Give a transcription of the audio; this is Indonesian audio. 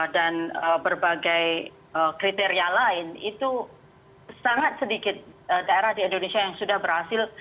dan berbagai kriteria lain itu sangat sedikit daerah di indonesia yang sudah berhasil